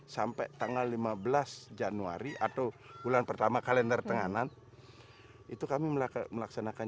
sampai tanggal lima belas januari atau bulan pertama kalender tenganan itu kami melakukan melaksanakan